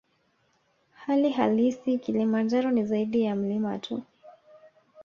Hali halisi Kilimanjaro ni zaidi ya mlima tu